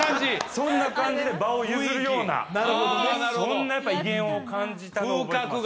そんな感じで場を譲るようなそんなやっぱ威厳を感じたのを覚えています